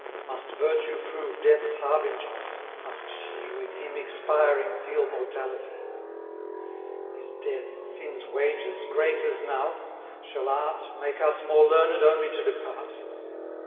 Must Virtue prove Death's harbinger? must she, With him expiring, feel mortality? Is death, Sin's wages, Grace's now? shall Art Make us more learned, only to depart?